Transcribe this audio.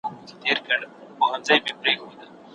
پښيمانيدل ئې صحيح دي.